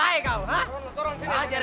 hei kau kebun sedikit kan darin